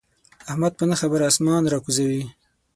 احمد په نه خبره اسمان را کوزوي.